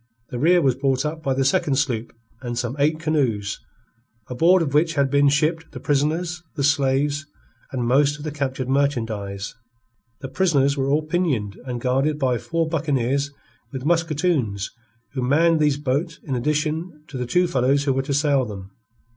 The rear was brought up by the second sloop and some eight canoes, aboard of which had been shipped the prisoners, the slaves, and most of the captured merchandise. The prisoners were all pinioned, and guarded by four buccaneers with musketoons who manned these boats in addition to the two fellows who were to sail them.